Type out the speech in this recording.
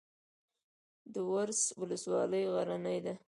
د ورس ولسوالۍ غرنۍ ده